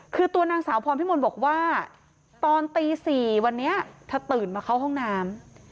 คือตัวนางสาวพรพิมลบอกว่าตอนตี๔วันนี้เธอตื่นมาเข้าห้องน้ำ